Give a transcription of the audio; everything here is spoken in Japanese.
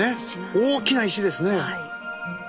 大きな石ですね。